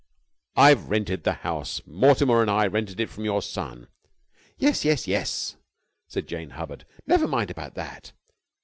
"I've rented the house, Mortimer and I rented it from your son...." "Yes, yes, yes," said Jane Hubbard. "Never mind about that.